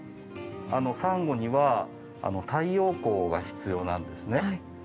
サンゴには太陽光が必要なんですね。